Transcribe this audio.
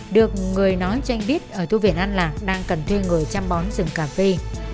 được người nói tranh biết ở thu viện an lạc đang cần thuê người chăm bón rừng cà phê